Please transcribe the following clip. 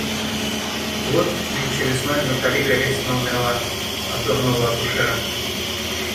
Вот нынче весной Натали Голицына умерла от дурного акушера.